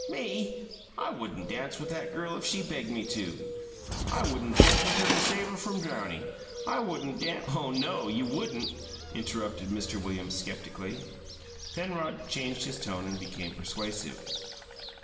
"Me? I wouldn't dance with that girl if she begged me to! I wouldn't dance with her to save her from drowning! I wouldn't da " "Oh, no you wouldn't!" interrupted Mr. Williams skeptically. Penrod changed his tone and became persuasive.